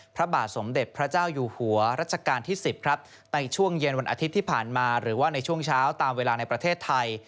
พระบาทสมเด็จพระเจ้าอยู่หัวรัชกาลที่๑๐ครับในช่วงเย็นวันอาทิตย์ที่ผ่านมาหรือว่าในช่วงเช้าตามเวลาในประเทศไทย